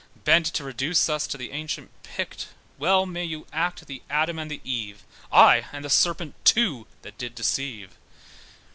Bent to reduce us to the ancient Pict; Well may you act the Adam and the Eve; Ay, and the serpent too that did deceive.